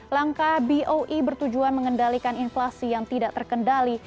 langkah boe bertujuan mengendalikan inflasi yang tidak terkendali